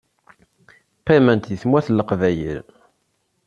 Qqiment deg Tmurt n Leqbayel.